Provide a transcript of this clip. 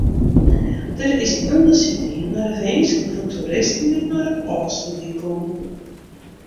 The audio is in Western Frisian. Der is ûndersyk dien nei de winsken fan toeristen dy't nei de Ofslútdyk komme.